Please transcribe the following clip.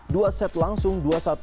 dua set langsung dua satu